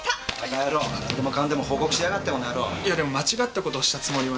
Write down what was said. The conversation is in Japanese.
なんでもかんでも報告しやがってこの野郎。いやでも間違った事をしたつもりは。